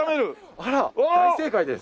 あら大正解です。